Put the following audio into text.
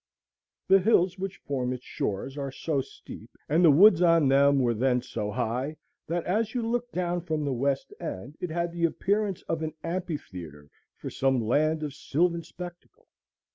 The hills which form its shores are so steep, and the woods on them were then so high, that, as you looked down from the west end, it had the appearance of an amphitheatre for some kind of sylvan spectacle.